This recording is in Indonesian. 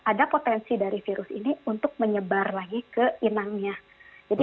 ada potensi dari virus ini untuk menyebar lagi ke inangnya